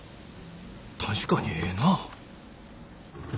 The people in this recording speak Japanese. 確かにええなぁ。